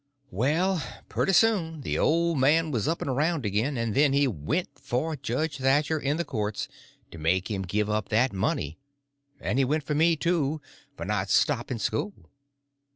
Well, pretty soon the old man was up and around again, and then he went for Judge Thatcher in the courts to make him give up that money, and he went for me, too, for not stopping school.